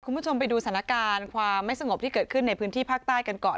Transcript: คุณผู้ชมไปดูสถานการณ์ความไม่สงบที่เกิดขึ้นในพื้นที่ภาคใต้กันก่อน